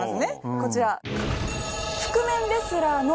こちら。